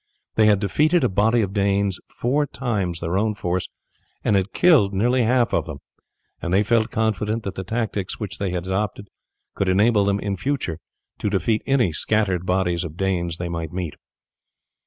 They had defeated a body of Danes four times their own force, and had killed nearly half of them, and they felt confident that the tactics which they had adopted would enable them in future to defeat any scattered bodies of Danes they might meet.